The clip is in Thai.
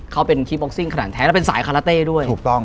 เค้าเป็นคลีปบอคซิ่งขนาดแท้และเป็นสายคาราเต้ด้วย